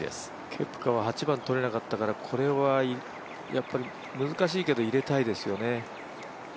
ケプカは８番とれなかったからこれは難しいけど入れたいですよね。